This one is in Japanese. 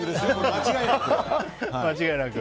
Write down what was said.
間違いなく。